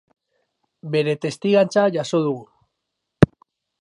Bere testigantza jaso dugu.